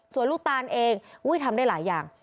ส่วนลูกตานเองทำได้หลายอย่าง